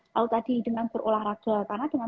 kalau tadi dengan berolahraga karena dengan